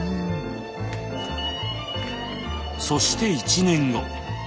そして１年後。